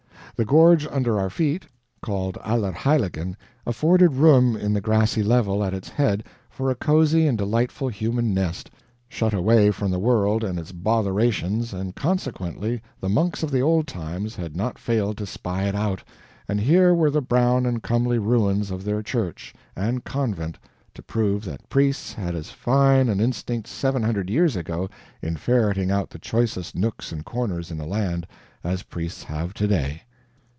The gorge under our feet called Allerheiligen afforded room in the grassy level at its head for a cozy and delightful human nest, shut away from the world and its botherations, and consequently the monks of the old times had not failed to spy it out; and here were the brown and comely ruins of their church and convent to prove that priests had as fine an instinct seven hundred years ago in ferreting out the choicest nooks and corners in a land as priests have today.